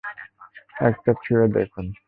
এটা ছুঁইয়ে দেখুন।